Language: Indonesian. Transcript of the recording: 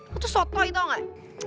lo tuh sotoy tau gak